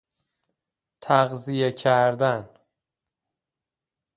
تغذیه کردن